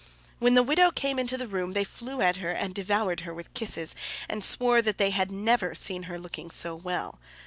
When the widow came into the room, they flew at her and devoured her with kisses, and swore that they had never seen her looking so well.